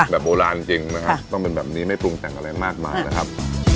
แบบโบราณจริงนะครับต้องเป็นแบบนี้ไม่ปรุงแต่งอะไรมากมายนะครับ